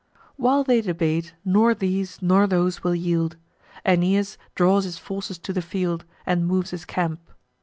While they debate, nor these nor those will yield, Aeneas draws his forces to the field, And moves his camp.